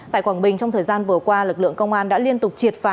tại quảng bình trong thời gian vừa qua lực lượng công an đã liên tục triệt phá